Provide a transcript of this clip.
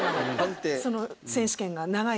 その選手権が長い。